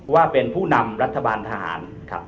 ว่าเป็นผู้นำรัฐบาลทหารครับ